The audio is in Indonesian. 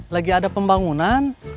lagi ada pembangunan